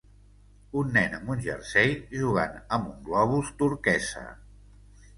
Un nen amb un jersei jugant amb un globus turquesa.